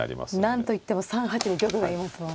何と言っても３八に玉がいますもんね。